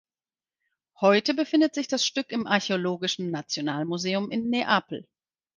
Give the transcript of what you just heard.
Heute befindet sich das Stück im Archäologischen Nationalmuseum in Neapel.